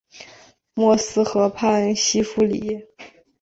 默斯河畔西夫里。